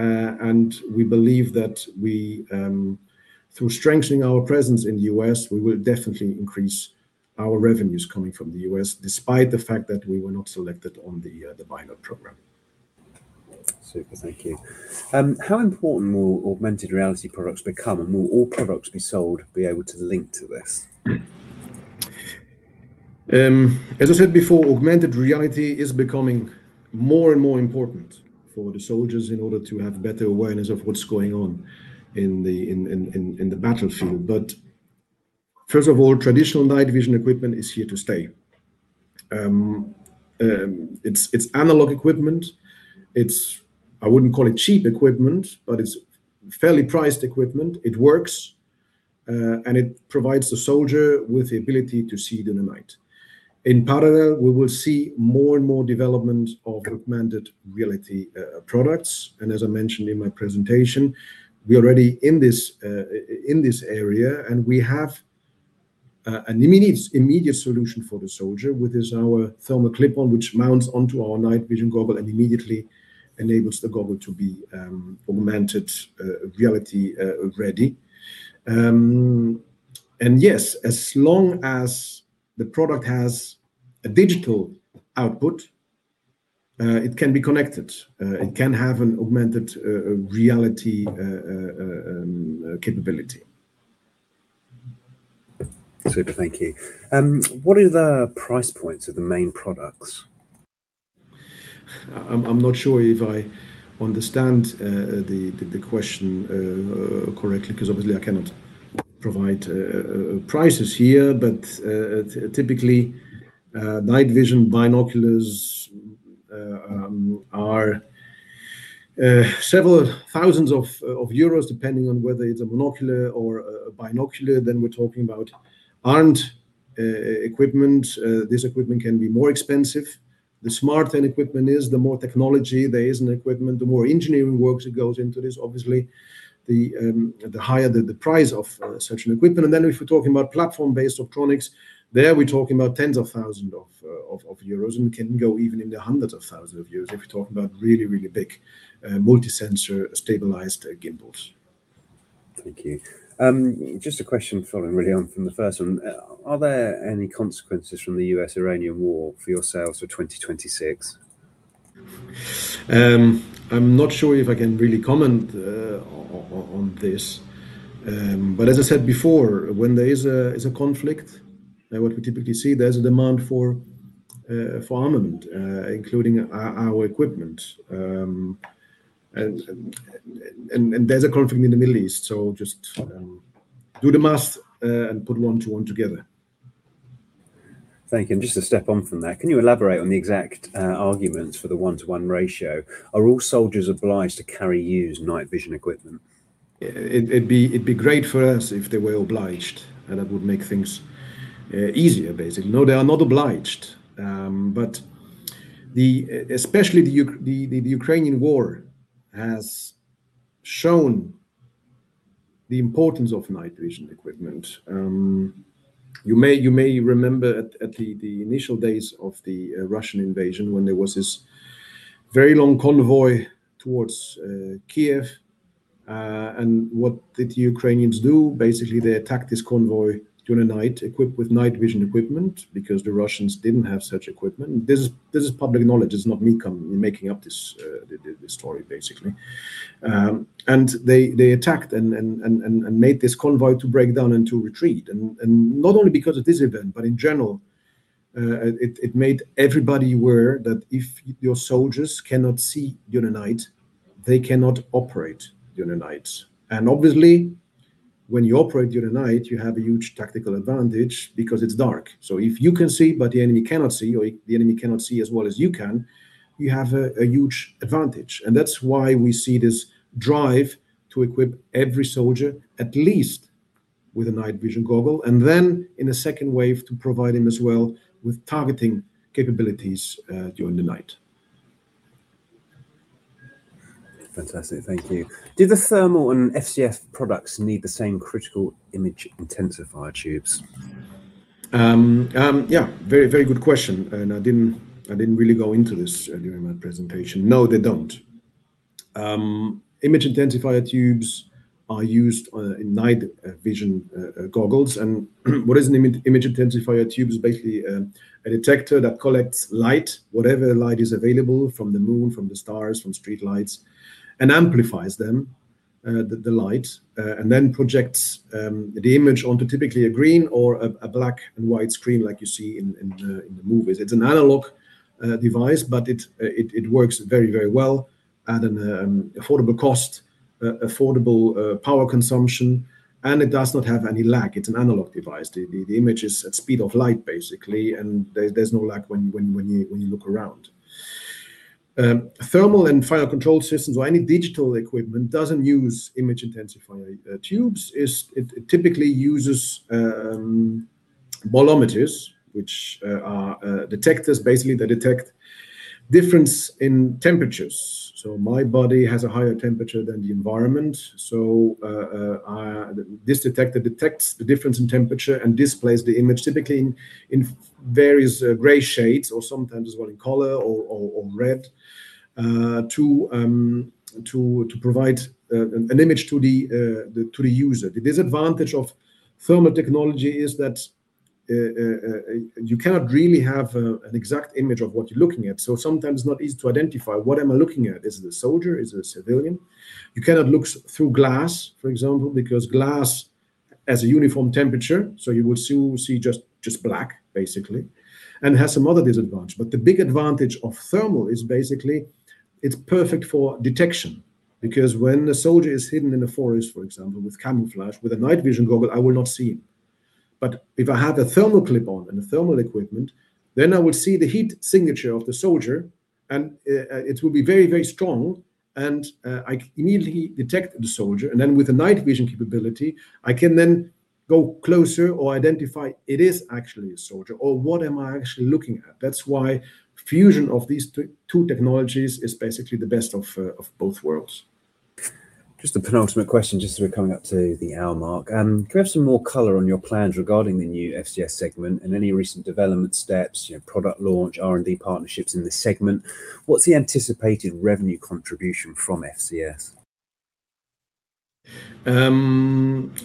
and we believe that we, through strengthening our presence in the U.S., we will definitely increase our revenues coming from the U.S. despite the fact that we were not selected on the BiNOD program. Super. Thank you. How important will augmented reality products become, and will all products be able to link to this? As I said before, augmented reality is becoming more and more important for the soldiers in order to have better awareness of what's going on in the battlefield. First of all, traditional night vision equipment is here to stay. It's analog equipment. It's, I wouldn't call it cheap equipment, but it's fairly priced equipment. It works, and it provides the soldier with the ability to see in the night. In parallel, we will see more and more development of augmented reality products. As I mentioned in my presentation, we're already in this area, and we have an immediate solution for the soldier, which is our thermal clip-on, which mounts onto our night vision goggle and immediately enables the goggle to be augmented reality ready. Yes, as long as the product has a digital output, it can be connected. It can have an augmented reality capability. Super. Thank you. What are the price points of the main products? I'm not sure if I understand the question correctly, because obviously I cannot provide prices here. Typically, night vision binoculars are several thousands of EUR, depending on whether it's a monocular or a binocular. We're talking about armed equipment. This equipment can be more expensive. The smarter an equipment is, the more technology there is in equipment, the more engineering works that goes into this, obviously the higher the price of such an equipment. If we're talking about platform-based optronics, there we're talking about tens of thousands of EUR, and it can go even in the hundreds of thousands of EUR if we're talking about really, really big multi-sensor stabilized gimbals. Thank you. Just a question following really on from the first one. Are there any consequences from the U.S.-Iranian war for your sales for 2026? I'm not sure if I can really comment on this. As I said before, when there is a conflict, then what we typically see, there's a demand for armament, including our equipment. There's a conflict in the Middle East, so just do the math, and put one to one together. Thank you. Just to step on from there, can you elaborate on the exact arguments for the 1:1 ratio? Are all soldiers obliged to carry and use night vision equipment? It'd be great for us if they were obliged. That would make things easier, basically. They are not obliged. Especially the Ukrainian war has shown the importance of night vision equipment. You may remember at the initial days of the Russian invasion when there was this very long convoy towards Kyiv. What did the Ukrainians do? Basically, they attacked this convoy during the night equipped with night vision equipment because the Russians didn't have such equipment. This is public knowledge. It's not me making up this story, basically. They attacked and made this convoy to break down and to retreat, and not only because of this event, but in general, it made everybody aware that if your soldiers cannot see during the night, they cannot operate during the night. Obviously, when you operate during the night, you have a huge tactical advantage because it's dark. If you can see but the enemy cannot see, or the enemy cannot see as well as you can, you have a huge advantage. That's why we see this drive to equip every soldier, at least with a night vision goggle, and then in a second wave to provide him as well with targeting capabilities during the night. Fantastic. Thank you. Do the thermal and FCS products need the same critical image intensifier tubes? Yeah, very, very good question. I didn't really go into this during my presentation. No, they don't. Image intensifier tubes are used in night vision goggles. What is an image intensifier tube? Is basically a detector that collects light, whatever light is available from the moon, from the stars, from streetlights, and amplifies them, the light, and then projects the image onto typically a green or a black and white screen like you see in the movies. It's an analog device. It works very, very well at an affordable cost, affordable power consumption. It does not have any lag. It's an analog device. The image is at speed of light basically, and there's no lag when you look around. Thermal and fire control systems or any digital equipment doesn't use image intensifier tubes. It typically uses bolometers, which are detectors basically that detect difference in temperatures. My body has a higher temperature than the environment, this detector detects the difference in temperature and displays the image typically in various gray shades or sometimes one in color or red to provide an image to the user. The disadvantage of thermal technology is that you cannot really have an exact image of what you're looking at, so sometimes not easy to identify what am I looking at? Is it a soldier? Is it a civilian? You cannot look through glass, for example, because glass has a uniform temperature, so you will see just black basically, and has some other disadvantage. The big advantage of thermal is basically it's perfect for detection because when a soldier is hidden in a forest, for example, with camouflage, with a night vision goggle, I will not see him. If I have a thermal clip-on and a thermal equipment, then I will see the heat signature of the soldier and it will be very, very strong and I immediately detect the soldier and then with the night vision capability, I can then go closer or identify it is actually a soldier or what am I actually looking at. That's why fusion of these two technologies is basically the best of both worlds. Just a penultimate question just as we're coming up to the hour mark. Could we have some more color on your plans regarding the new FCS segment and any recent development steps, you know, product launch, R&D partnerships in this segment? What's the anticipated revenue contribution from FCS?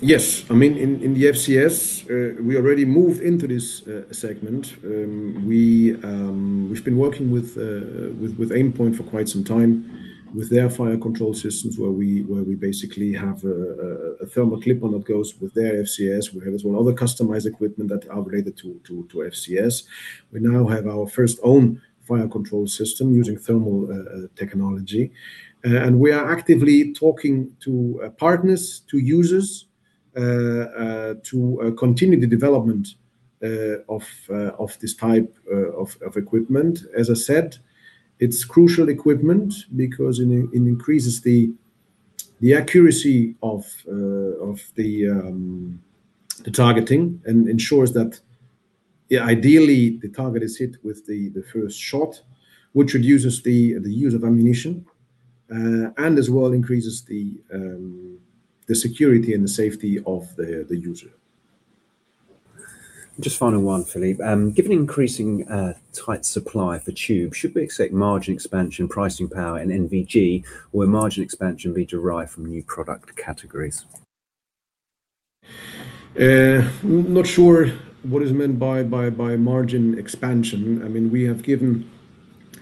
Yes. I mean, in the FCS, we already moved into this segment. We, we've been working with Aimpoint for quite some time with their fire control systems where we basically have a thermal clip-on that goes with their FCS. We have as well other customized equipment that are related to FCS. We now have our first own fire control system using thermal technology. We are actively talking to partners, to users, to continue the development of this type of equipment. As I said, it's crucial equipment because it increases the accuracy of the targeting and ensures that, yeah, ideally the target is hit with the first shot, which reduces the use of ammunition, and as well increases the security and the safety of the user. Just final one, Philippe. Given increasing tight supply for tubes, should we expect margin expansion, pricing power in NVG, or margin expansion be derived from new product categories? Not sure what is meant by margin expansion. I mean, we have given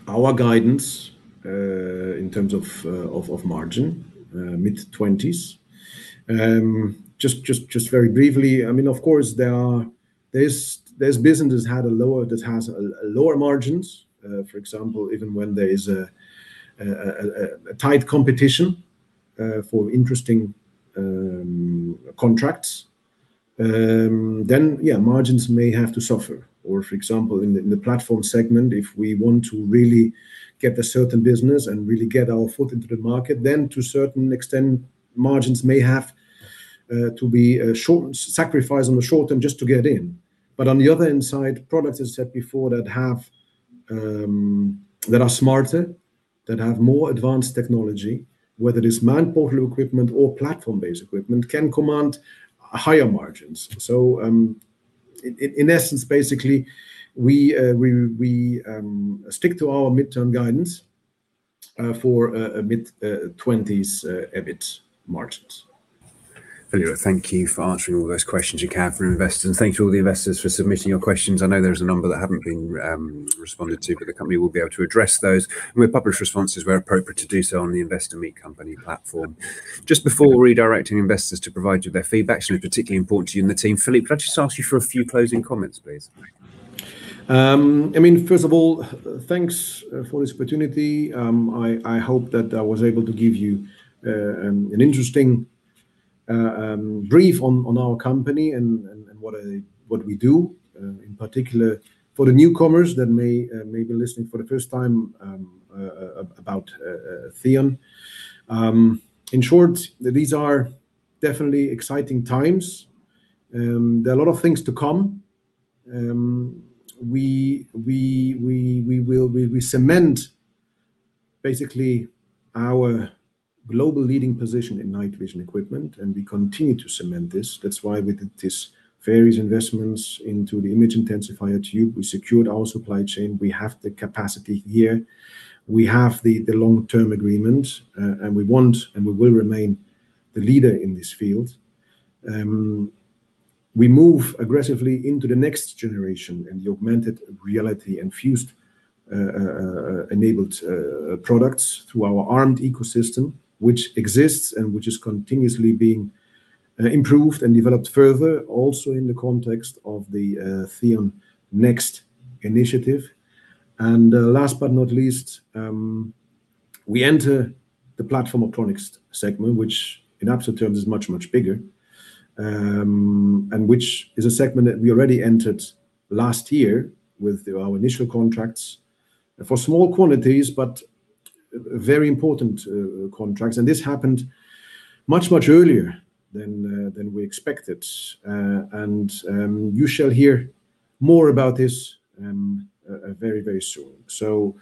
our guidance in terms of margin mid-20s. Just very briefly, I mean, of course there are, there's business had a lower, that has a lower margins. For example, even when there is a tight competition for interesting contracts, then yeah, margins may have to suffer. For example, in the platform segment, if we want to really get a certain business and really get our foot into the market, then to certain extent margins may have to be short, sacrificed on the short term just to get in. On the other hand side, products I said before that have, that are smarter, that have more advanced technology, whether it's man-portable equipment or platform-based equipment, can command higher margins. In essence, basically we stick to our midterm guidance for a mid-20s EBIT margins. Philippe, thank you for answering all those questions you can from investors. Thank you to all the investors for submitting your questions. I know there's a number that haven't been responded to. The company will be able to address those. We'll publish responses where appropriate to do so on the Investor Meet Company platform. Just before redirecting investors to provide you their feedback, this is particularly important to you and the team, Philippe, could I just ask you for a few closing comments, please? I mean, first of all, thanks for this opportunity. I hope that I was able to give you an interesting brief on our company and what I, what we do, in particular for the newcomers that may be listening for the first time, about Theon. In short, these are definitely exciting times. There are a lot of things to come. We will cement basically our global leading position in night vision equipment, and we continue to cement this. That's why we did this various investments into the image intensifier tube. We secured our supply chain. We have the capacity here. We have the long-term agreement, and we want, and we will remain the leader in this field. We move aggressively into the next generation and the augmented reality and fused enabled products through our ARMED ecosystem, which exists and which is continuously being improved and developed further, also in the context of the THEON NEXT initiative. Last but not least, we enter the platform electronics segment, which in absolute terms is much, much bigger, and which is a segment that we already entered last year with our initial contracts for small quantities, but very important contracts. This happened much, much earlier than we expected. You shall hear more about this very, very soon.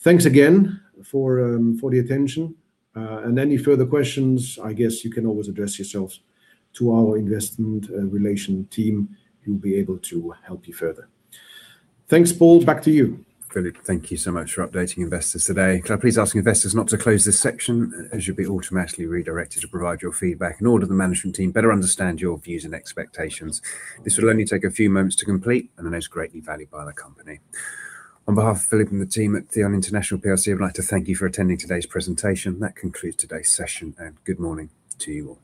Thanks again for the attention. Any further questions, I guess you can always address yourselves to our Investor Relations team, who'll be able to help you further. Thanks, Paul. Back to you. Philippe, thank you so much for updating investors today. Can I please ask investors not to close this section, as you'll be automatically redirected to provide your feedback in order the management team better understand your views and expectations. This will only take a few moments to complete and are most greatly valued by the company. On behalf of Philippe and the team at Theon International PLC, I'd like to thank you for attending today's presentation. That concludes today's session. Good morning to you all.